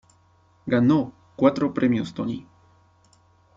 Ganó cuatro premios Tony.